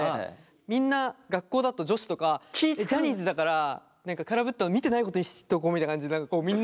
みんな学校だと女子とかジャニーズだから何か空振っても見てないことにしとこみたいな感じでみんな。